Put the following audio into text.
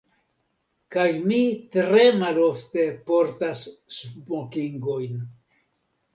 Kaj mi tre malofte portas smokingojn.